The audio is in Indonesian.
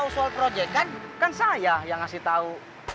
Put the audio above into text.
soal projek kan kan saya yang ngasih tau